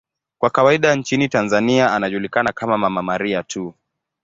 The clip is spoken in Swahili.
Kwa kawaida nchini Tanzania anajulikana kama 'Mama Maria' tu.